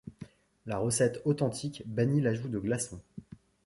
La recette authentique bannit l'ajout de glaçons.